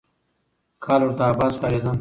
کال ورته آباد ښکارېده.